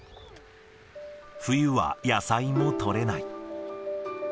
冬は野菜も取れない。